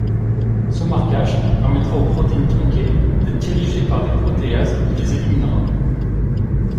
Ce marquage permettra aux protéines tronquées d'être dirigées par des protéases qui les éliminera.